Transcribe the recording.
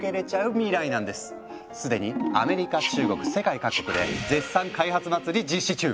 すでにアメリカ中国世界各国で絶賛開発祭り実施中！